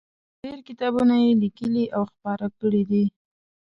ډېر کتابونه یې لیکلي او خپاره کړي دي.